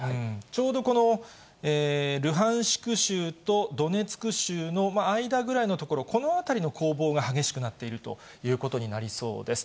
ちょうどこのルハンシク州とドネツク州の間ぐらいの所、この辺りの攻防が激しくなっているということになりそうです。